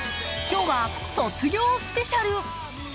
今日は卒業スペシャル。